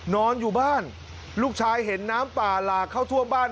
นอนอยู่บ้านลูกชายเห็นน้ำป่าหลากเข้าท่วมบ้าน